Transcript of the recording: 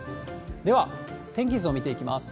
では、天気図を見ていきます。